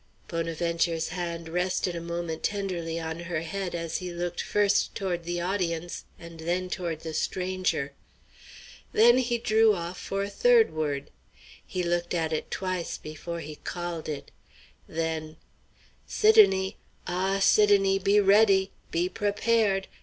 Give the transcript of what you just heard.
Bonaventure's hand rested a moment tenderly on her head as he looked first toward the audience and then toward the stranger. Then he drew off for the third word. He looked at it twice before he called it. Then "Sidonie! ah! Sidonie, be ready! be prepared!